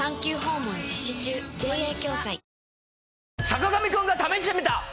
『坂上くんが試してみた！！』。